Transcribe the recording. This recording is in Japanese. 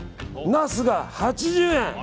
ナスが８０円！